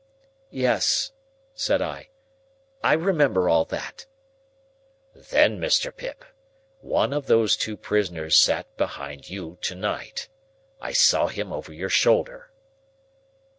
"Yes," said I. "I remember all that." "Then, Mr. Pip, one of those two prisoners sat behind you tonight. I saw him over your shoulder."